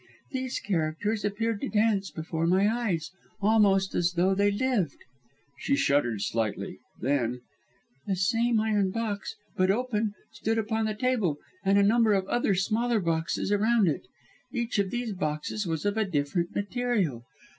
These characters appeared to dance before my eyes almost as though they lived." She shuddered slightly; then: "The same iron box, but open, stood upon the table, and a number of other, smaller, boxes, around it. Each of these boxes was of a different material.